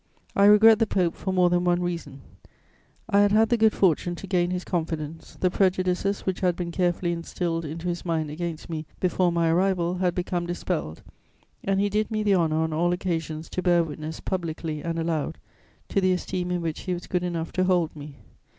"I regret the Pope for more than one reason; I had had the good fortune to gain his confidence: the prejudices which had been carefully instilled into his mind against me, before my arrival, had become dispelled and he did me the honour, on all occasions, to bear witness, publicly and aloud, to the esteem in which he was good enough to hold me.